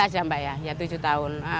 dua ribu enam belas ya mbak ya tujuh tahun